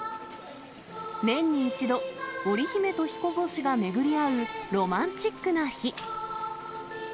年に一度、織り姫と彦星が巡り合うロマンチックな日。